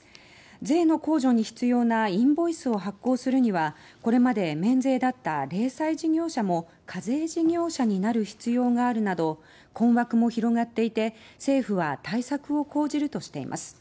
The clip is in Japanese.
税の控除に必要なインボイスを発行するにはこれまで免税だった零細事業者も課税事業者になる必要があるなど困惑も広がっていて政府は対策を講じるとしています。